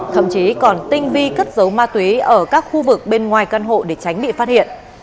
thậm chí còn tinh vi cất giấu ma túy ở các khu vực bên ngoài căn hộ để tránh bị phát hiện